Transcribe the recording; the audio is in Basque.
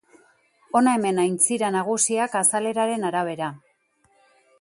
Hona hemen aintzira nagusiak azaleraren arabera.